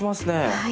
はい。